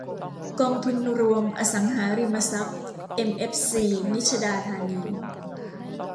กองทุนรวมอสังหาริมทรัพย์เอ็มเอฟซี-นิชดาธานี